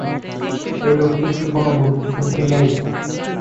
এই লোকটির কি কোনো বুদ্ধিাশুদ্ধি নেই?